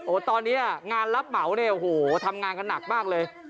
ตอนนี้งานรับเหมาเนี่ยโอ้โหทำงานกันหนักมากเลย